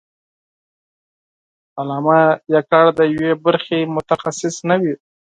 علامه یوازې د یوې برخې متخصص نه وي.